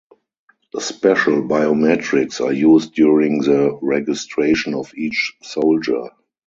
Special biometrics are used during the registration of each soldier.